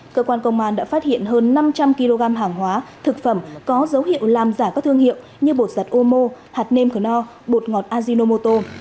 cơ quan công an đã phát hiện hơn năm trăm linh kg hàng hóa thực phẩm có dấu hiệu làm giả các thương hiệu như bột giặt ô mô hạt nêm cờ no bột ngọt azinomoto